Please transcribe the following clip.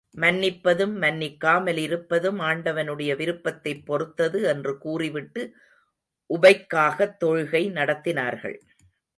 மன்னிப்பதும், மன்னிக்காமல் இருப்பதும் ஆண்டவனுடைய விருப்பத்தைப் பொறுத்தது என்று கூறிவிட்டு, உபைக்காகத் தொழுகை நடத்தினார்கள்.